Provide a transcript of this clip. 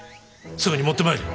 すぐに持ってまいれ。